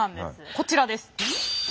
こちらです。